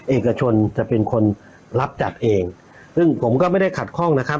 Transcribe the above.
เอกชนจะเป็นคนรับจัดเองซึ่งผมก็ไม่ได้ขัดข้องนะครับ